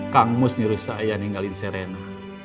kang mus menurut saya ninggalin serena